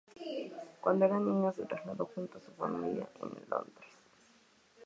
Cuando era niño se trasladó junto a su familia a Londres.